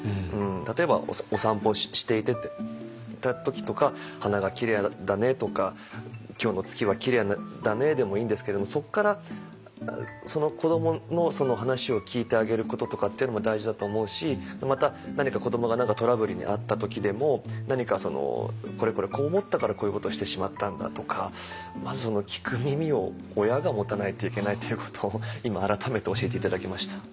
例えばお散歩していた時とか「花がきれいだね」とか「今日の月はきれいだね」でもいいんですけれどもそっから子どものその話を聞いてあげることとかっていうのも大事だと思うしまた何か子どもが何かトラブルに遭った時でも何かそのこれこれこう思ったからこういうことをしてしまったんだとかまず聞く耳を親が持たないといけないということを今改めて教えて頂きました。